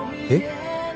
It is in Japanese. えっ？